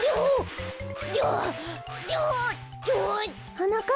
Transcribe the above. はなかっ